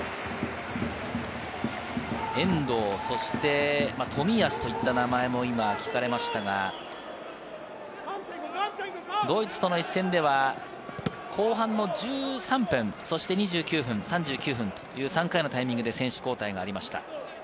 遠藤、冨安といった名前も今聞かれましたが、ドイツとの一戦では後半の１３分、２９分、３９分という３回のタイミングで選手交代がありました。